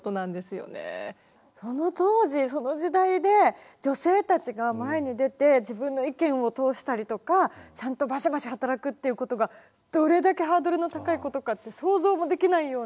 その当時その時代で女性たちが前に出て自分の意見を通したりとかちゃんとバシバシ働くっていうことがどれだけハードルの高いことかって想像もできないような。